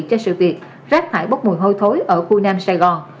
cho sự việc rác thải bốc mùi hôi thối ở khu nam sài gòn